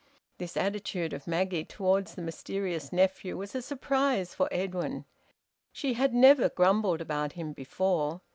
This attitude of Maggie towards the mysterious nephew was a surprise for Edwin. She had never grumbled about him before.